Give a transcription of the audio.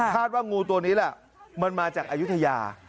ว่างูตัวนี้แหละมันมาจากอายุทยา